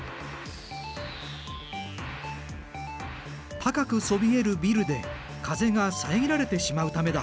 高くそびえるビルで風が遮られてしまうためだ。